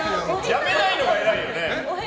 やめないのが偉いよね。